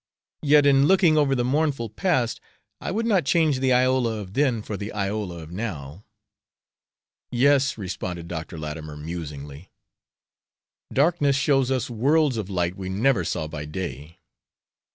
Yet, in looking over the mournful past, I would not change the Iola of then for the Iola of now." "Yes," responded Dr. Latimer, musingly, "'Darkness shows us worlds of light We never saw by day.'"